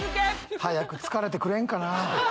早く疲れてくれんかなぁ。